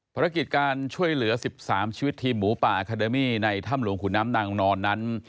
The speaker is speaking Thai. ภารกิจการช่วยเหลือ๑๓ชีวิตทีมหมูป่าอาคาเดมี่ในถ้ำหลวงขุนน้ำนางนอนนั้น